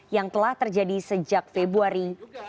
yang telah terjadi sejak februari dua ribu dua puluh